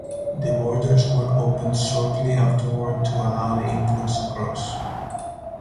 The borders were opened shortly afterward to allow the influx across.